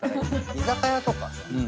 居酒屋とかさ